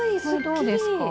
どうですか？